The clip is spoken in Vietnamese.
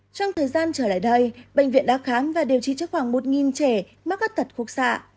trong thời gian trở lại đây bệnh viện đã khám và điều trị cho khoảng một trẻ mắc các tật khúc xạ